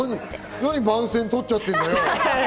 何、番宣取っちゃってんだよ！